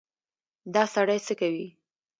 _دا سړی څه کوې؟